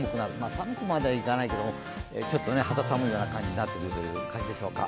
寒くまではいかないけどもちょっと肌寒いような感じになってくるという感じでしょうか。